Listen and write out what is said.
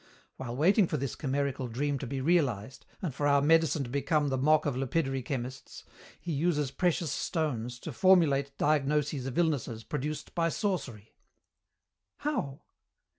While waiting for this chimerical dream to be realized and for our medicine to become the mock of lapidary chemists, he uses precious stones to formulate diagnoses of illnesses produced by sorcery." "How?"